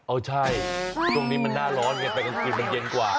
เอ้าใช่ตรงนี้มันน่าร้อนแต่อันกลิ่นมันเย็นกว่า